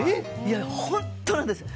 本当なんです。